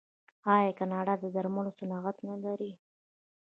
آیا کاناډا د درملو صنعت نلري؟